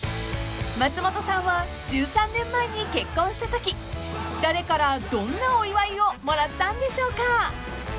［松本さんは１３年前に結婚したとき誰からどんなお祝いをもらったんでしょうか？］